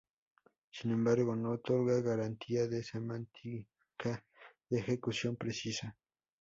Sin embargo, no otorga garantía de semántica de ejecución precisa.